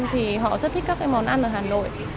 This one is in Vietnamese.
thì họ rất thích các cái món ăn ở hà nội